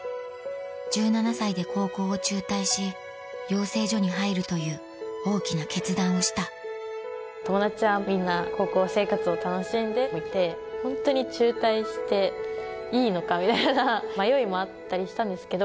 １７歳で高校を中退し養成所に入るという大きな決断をした友達はみんな高校生活を楽しんでいて本当に中退していいのかみたいな迷いもあったりしたんですけど。